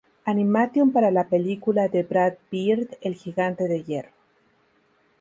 Animation para la película de Brad Bird, El Gigante de Hierro.